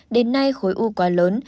đến nay khối u quá lớn